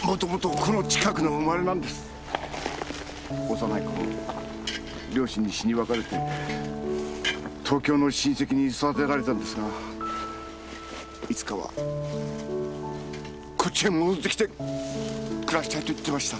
幼い頃両親に死に別れて東京の親戚に育てられたんですがいつかはこっちへ戻ってきて暮らしたいと言ってました。